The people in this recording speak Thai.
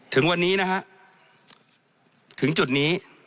ถึงวันนี้นะฮะถึงจุดนี้